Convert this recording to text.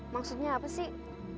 maksudnya apa sih